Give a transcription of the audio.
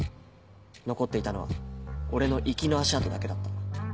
残っていたのは俺の行きの足跡だけだった。